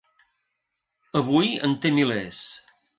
Avui en té milers.